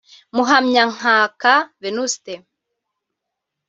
Muhamyankaka Vénuste